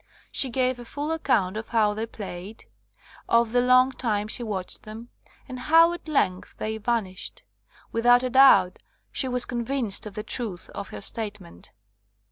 She gave a full account of how they played, of the long time she watched them, and how at length they vanished. Without a doubt she was convinced of the truth of her statement.